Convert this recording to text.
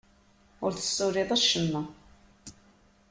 Ur tessuliḍ acemma.